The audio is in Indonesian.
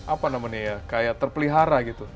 apa namanya ya kayak terpelihara gitu